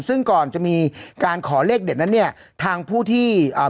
ซึ่งก่อนจะมีการขอเลขเด็ดนั้นเนี่ยทางผู้ที่อ่า